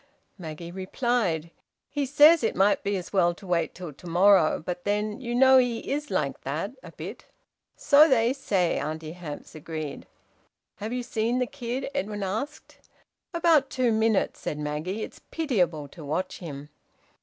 Maggie replied: "He says it might be as well to wait till to morrow. But then you know he is like that a bit." "So they say," Auntie Hamps agreed. "Have you seen the kid?" Edwin asked. "About two minutes," said Maggie. "It's pitiable to watch him."